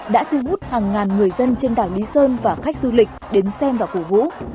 đã thu hút hàng ngàn người dân trên đảo lý sơn và khách du lịch đến xem và cổ vũ